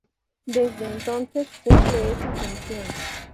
Desde entonces, cumple esa función.